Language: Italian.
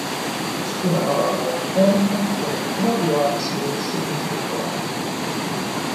Ciascuna navata termina con un proprio abside semicircolare.